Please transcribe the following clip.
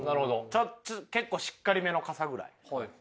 結構しっかりめの傘ぐらい。